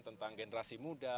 tentang generasi muda